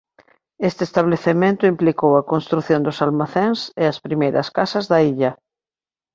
Este establecemento implicou a construción dos almacéns e as primeiras casas da illa.